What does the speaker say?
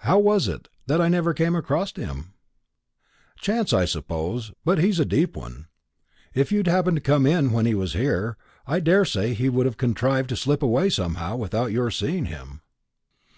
"How was it that I never came across him?" "Chance, I suppose; but he's a deep one. If you'd happened to come in when he was here, I daresay he'd have contrived to slip away somehow without your seeing him."